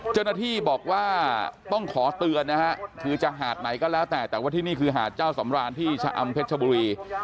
เจ้าหน้าที่บอกว่าต้องขอเตือนนะฮะคือจะหาดไหนก็แล้วแต่แต่ว่าที่นี่คือหาดเจ้าสำราญที่ชะอำเพชรชบุรี